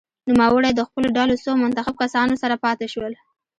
نوموړی د خپلو ډلو څو منتخب کسانو سره پاته شول.